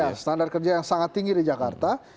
ya standar kerja yang sangat tinggi di jakarta